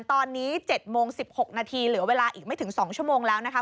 ตอนนี้๗โมง๑๖นาทีเหลือเวลาอีกไม่ถึง๒ชั่วโมงแล้วนะคะ